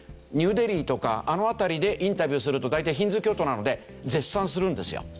ニューデリーとかあの辺りでインタビューすると大体ヒンドゥー教徒なので絶賛するんですよ。